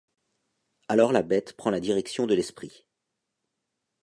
Alors la bête prend la direction de l’esprit.